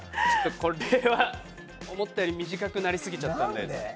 これは思ったより短くなりすぎちゃったんで。